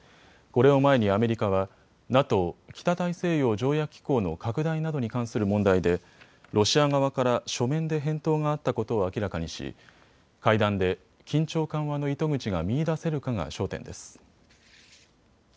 これを前にアメリカはＮＡＴＯ・北大西洋条約機構の拡大などに関する問題でロシア側から書面で返答があったことを明らかにし会談で緊張緩和の糸口が見いだせるかが焦点です。